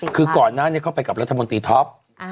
คือก่อนนั้นเขาไปกับรัฐบนตรีท็อป